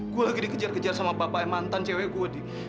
gue lagi dikejar kejar sama papa mantan cewek gue